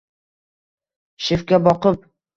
Shiftga boqib